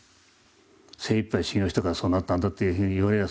精いっぱい修行したからそうなったんだっていうふうに言われりゃ